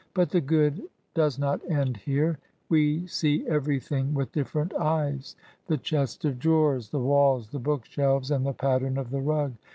But the good does not end here. We see everything with dif ferent eyes, — ^the chest of drawers, — the walls, — the bookshelves, and the pattern of the rug.